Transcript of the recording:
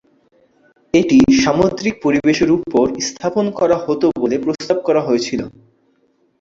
এটি সামুদ্রিক পরিবেশের উপর স্থাপন করা হতো বলে প্রস্তাব করা হয়েছিল।